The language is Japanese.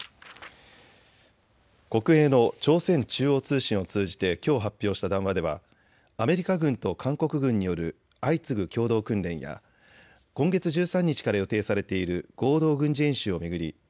国営の朝鮮中央通信を通じてきょう発表した談話ではアメリカ軍と韓国軍による相次ぐ共同訓練や今月１３日から予定されている合同軍事演習を巡り